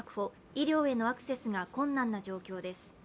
医療へのアクセスが困難な状況です。